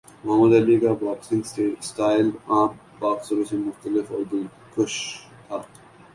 محمد Ali کا boxing style عام باکسروں سے مختلف اور دلکش تھا۔